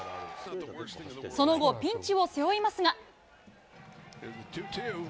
その後、ピンチを背負いますが。